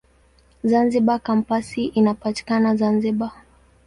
Zanzibar Kampasi inapatikana Zanzibar.